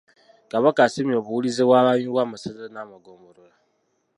Kabaka asiimye obuwulize bw’abaami b’amasaza n’amagombolola.